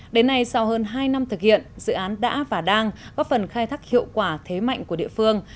đến nay sau hơn hai năm thực hiện dự án đã và đang góp phần khai thác hiệu quả thế mạnh của địa phương